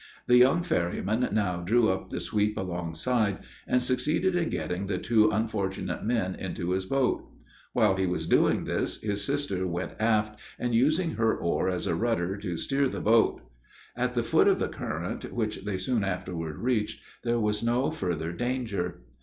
The young ferryman now drew up the sweep alongside, and succeeded in getting the two unfortunate men into his boat. While he was doing this, his sister went aft, and used her oar as a rudder to steer the boat. At the foot of the current, which they soon afterward reached, there was no further danger.